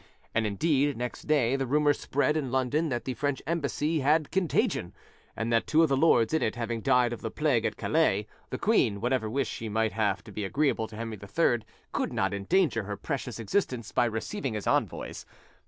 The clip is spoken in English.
And indeed, next day, the rumour spread in London that the French Embassy had contagion, and that two of the lords in it having died of the plague at Calais, the queen, whatever wish she might have to be agreeable to Henry III, could not endanger her precious existence by receiving his envoys.